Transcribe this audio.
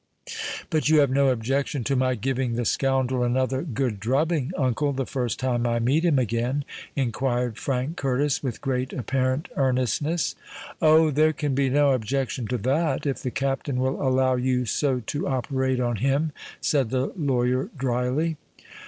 "But you have no objection to my giving the scoundrel another good drubbing, uncle, the first time I meet him again?" inquired Frank Curtis, with great apparent earnestness. "Oh! there can be no objection to that—if the Captain will allow you so to operate on him," said the lawyer drily.